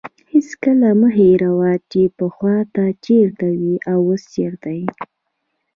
هېڅکله مه هېروه چې پخوا ته چیرته وې او اوس چیرته یې.